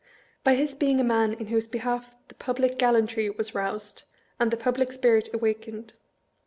By his being a man in whose behalf the public gallantry was roused, and the public spirit awakened.